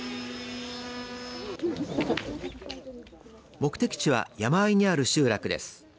目的地は山あいにある集落です。